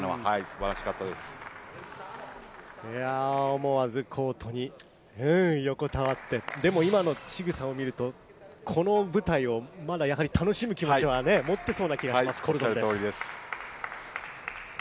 思わずコートに横たわって、今のしぐさを見ると、この舞台をまだ、やはり楽しむ気持ちは持っていそうな感じがします、コルドン。